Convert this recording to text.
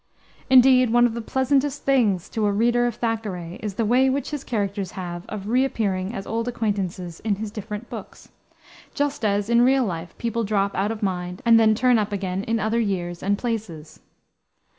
Indeed, one of the pleasantest things to a reader of Thackeray is the way which his characters have of re appearing, as old acquaintances, in his different books; just as, in real life, people drop out of mind and then turn up again in other years and places.